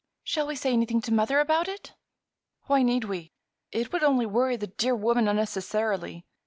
"Shall we say anything to mother about it?" "Why need we? It would only worry the dear woman unnecessarily.